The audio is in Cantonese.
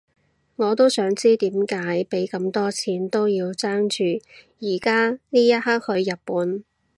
我都想知點解畀咁多錢都要爭住而家呢一刻去日本